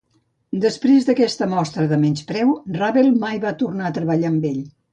Després d'aquesta mostra de menyspreu, Ravel mai va tornar a treballar amb ell.